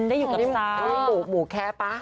ได้อยู่กับซ้าอุ้ยหมูแค้ปะ